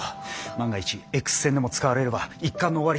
万が一Ｘ線でも使われれば一巻の終わりです。